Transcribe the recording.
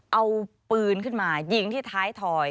เอาปืนขึ้นมายิงที่ท้ายถอย